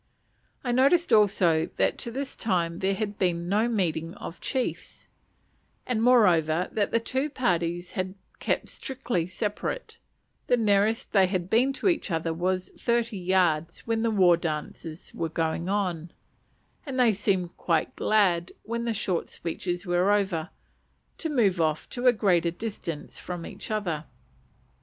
I noticed also that to this time there had been no meeting of the chiefs, and, moreover, that the two parties had kept strictly separate: the nearest they had been to each other was thirty yards when the war dancing was going on, and they seemed quite glad, when the short speeches were over, to move off to a greater distance from each other.